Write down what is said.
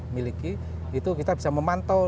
miliki itu kita bisa memantau